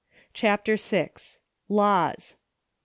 CHAPTER VI. LAWS.